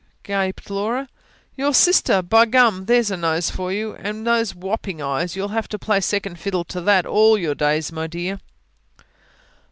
gaped Laura. "Your sister. By gum, there's a nose for you and those whopping eyes! You'll have to play second fiddle to THAT, all your days, my dear."